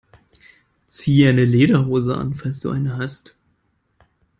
Zieh eine Lederhose an, falls du eine hast!